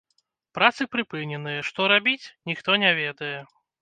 Працы прыпыненыя, што рабіць, ніхто не ведае.